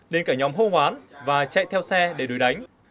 nên cả nhóm hô hoán và chạy theo xe để đuổi đánh